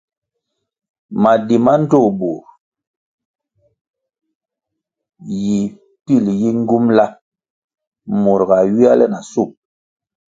Madi ma ndtoh bur mo yi pil yi ngyumbʼla murʼ ñā ywia le na shub.